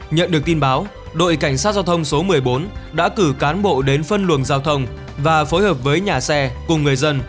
nhận được tin báo đội cảnh sát giao thông số một mươi bốn đã cử cán bộ đến phân luồng giao thông và phối hợp với nhà xe cùng người dân